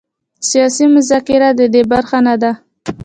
سیاسي مذاکره د دې برخه نه ده.